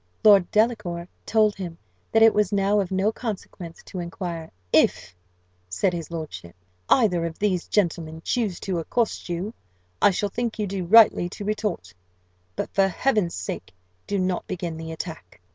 Lord Delacour told him that it was now of no consequence to inquire. "If," said his lordship, "either of these gentlemen choose to accost you, I shall think you do rightly to retort; but for Heaven's sake do not begin the attack!"